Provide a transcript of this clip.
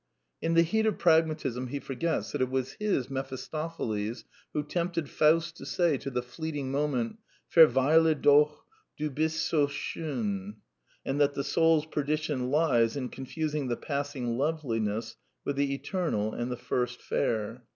In the heat of Pragmatism he forgets that it was his Mephistopheles who tempted Faust to say to the fleeting moment, " Verweile doch, du bist so schon/' and that the soul's perdition lies in confusing the passing loveliness with the Eternal and the First Fair.